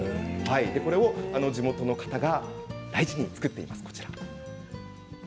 これを地元の方が大事に作っています。